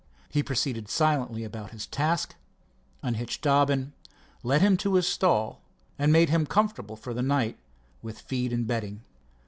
He proceeded silently about his task, unhitched Dobbin, led him to his stall, and made him comfortable for the night with feed and bedding.